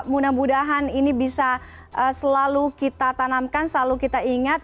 mudah mudahan ini bisa selalu kita tanamkan selalu kita ingat